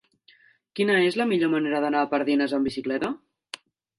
Quina és la millor manera d'anar a Pardines amb bicicleta?